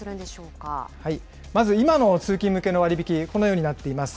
まず、今の通勤向けの割引、このようになっています。